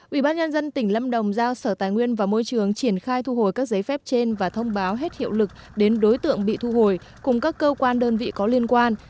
ủy ban nhân dân tỉnh lâm đồng giao sở tài nguyên và môi trường triển khai thu hồi các giấy phép trên và thông báo hết hiệu lực đến đối tượng bị thu hồi cùng các cơ quan đơn vị có liên quan